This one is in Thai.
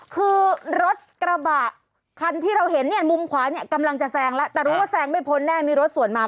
คือรถกระบะคันที่เราเห็นเนี่ยมุมขวาเนี่ยกำลังจะแซงแล้วแต่รู้ว่าแซงไม่พ้นแน่มีรถสวนมา